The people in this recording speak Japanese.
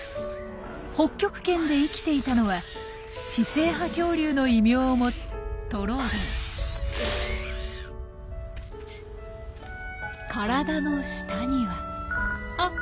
北極圏で生きていたのは知性派恐竜の異名を持つ体の下にはあ！